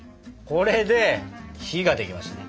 これで「日」ができましたね！